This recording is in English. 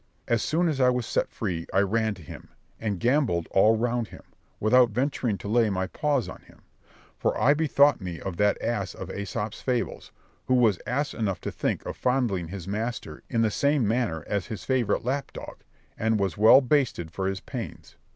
As soon as I was set free, I ran to him, and gambolled all round him, without venturing to lay my paws on him; for I bethought me of that ass in Æsop's Fables, who was ass enough to think of fondling his master in the same manner as his favourite lap dog, and was well basted for his pains.